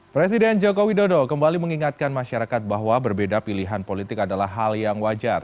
presiden jokowi dodo kembali mengingatkan masyarakat bahwa berbeda pilihan politik adalah hal yang wajar